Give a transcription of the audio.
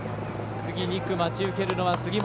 次、２区待ち受けるのは杉森。